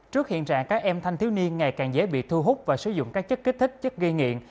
trước hiện trạng các em thanh thiếu niên ngày càng dễ bị thu hút và sử dụng các chất kích thích chất ghi nghiện